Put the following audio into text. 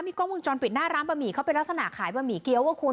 กล้องวงจรปิดหน้าร้านบะหมี่เขาเป็นลักษณะขายบะหมี่เกี้ยวอ่ะคุณ